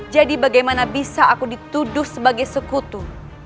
jadi bagaimana bisa aku dituduh sebagai sekutu